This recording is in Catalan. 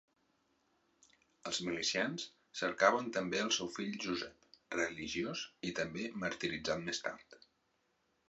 Els milicians cercaven també el seu fill Josep, religiós i també martiritzat més tard.